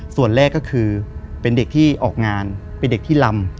ส่วนแรกก็คือเป็นเด็กที่ออกงานเป็นเด็กที่ลำ